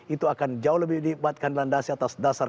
itu akan jauh lebih dibatkan dengan dasar